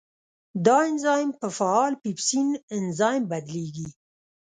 دا انزایم په فعال پیپسین انزایم بدلېږي.